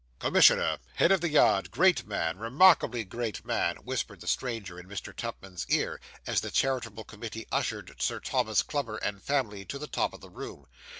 'Commissioner head of the yard great man remarkably great man,' whispered the stranger in Mr. Tupman's ear, as the charitable committee ushered Sir Thomas Clubber and family to the top of the room.